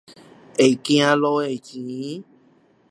會走路的錢